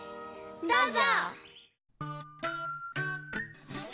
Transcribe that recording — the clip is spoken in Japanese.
どうぞ！